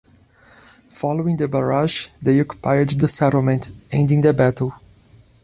Following the barrage, they occupied the settlement, ending the battle.